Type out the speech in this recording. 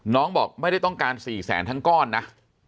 บอกไม่ได้ต้องการ๔แสนทั้งก้อนนะ